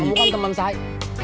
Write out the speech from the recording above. kamu kan teman saya